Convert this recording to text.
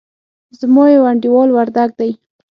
زما يو انډيوال وردګ دئ.